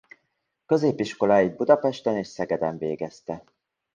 Középiskoláit Budapesten és Szegeden végezte.